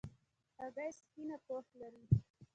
هګۍ سپینه پوښ لري.